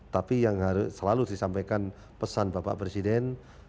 tapi yang harus selalu disampaikan pesan bapak presiden